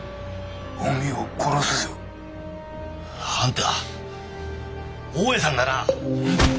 お美代を殺すぞ。あんた大家さんだな！？